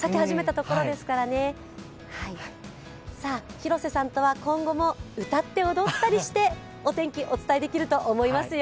広瀬さんとは今後も歌って踊ったりしてお天気お伝えできると思いますよ。